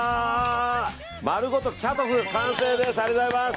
まるごとキャトフ完成です。